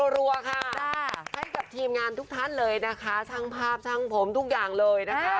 รัวค่ะให้กับทีมงานทุกท่านเลยนะคะช่างภาพช่างผมทุกอย่างเลยนะคะ